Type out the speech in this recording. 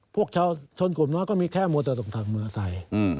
พวกชนกลุ่มน้อยก็มีแค่มวลต่อสั่งมือใส่